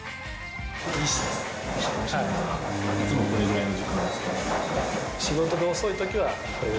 いつもこれぐらいの時間ですか？